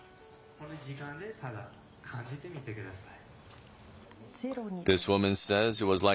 この時間でただ感じてみてください。